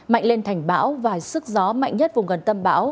mạnh lên thành bão và sức gió mạnh nhất vùng gần tâm bão